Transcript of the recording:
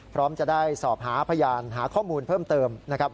พร้อมจะได้สอบหาพยานหาข้อมูลเพิ่มเติมนะครับ